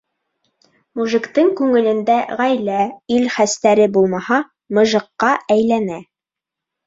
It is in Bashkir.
Мужиктың күңелендә ғаилә, ил хәстәре булмаһа, мыжыҡҡа әйләнә.